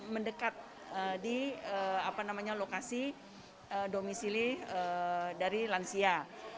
mendekat di lokasi domisili dari lansia